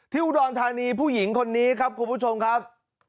อุดรธานีผู้หญิงคนนี้ครับคุณผู้ชมครับ